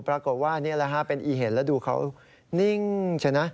ปรากฏว่านี่แหละฮะเป็นอีเห็นแล้วดูเขานิ่งใช่ไหม